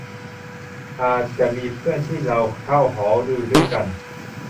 อาจจะมีเพื่อนที่เช่าหออยู่ด้วยกัน